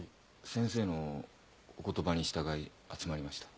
先生のお言葉に従い集まりました。